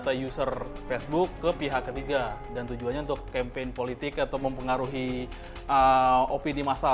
tapi beberapa pekerjaannya telah menyebabkannya terhentikan dari facebook